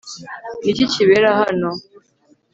Ni iki kibera hano